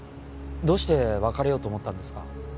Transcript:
どうして別れようと思ったんですか？